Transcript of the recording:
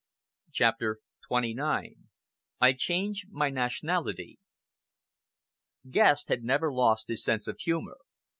CHAPTER XXIX I CHANGE MY NATIONALITY Guest had never lost his sense of humor.